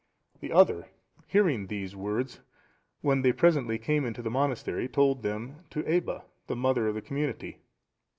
The other, hearing these words, when they presently came into the monastery, told them to Aebba,(717) the mother of the community.